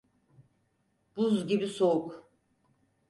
Buz gibi soğuk.